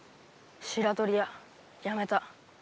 白鳥屋辞めた。